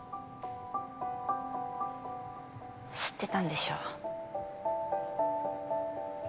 知ってたんでしょ？